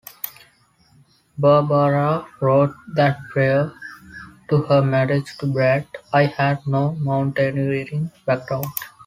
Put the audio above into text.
Barbara wrote that prior to her marriage to Brad, "I had no mountaineering background".